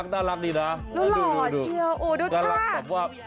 นี่แหละนะโอ้แต่ได้รักดีนะว่า